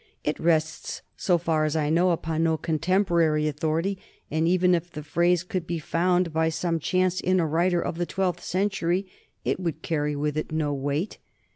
It rests, so far as I know, upon no contemporary au thority, and even if the phrase could be found by some chance in a writer of the twelfth century, it would carry with it no weight.